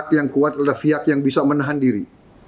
pihak yang kuat adalah pihak yang bisa menahan diri